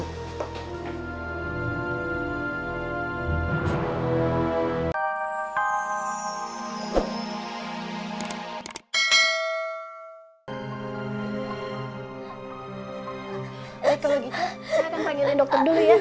kalau gitu saya akan panggilin dokter dulu ya